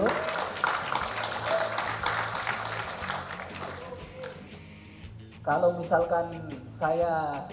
kalau misalkan saya